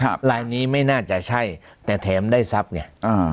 ครับลายนี้ไม่น่าจะใช่แต่เทมได้ทรัพย์เนี่ย